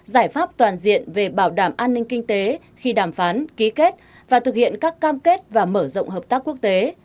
giải pháp toàn diện về bảo đảm an ninh kinh tế khi đàm phán ký kết và thực hiện các cam kết và mở rộng hợp tác quốc tế